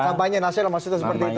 kampanye nasional maksudnya seperti itu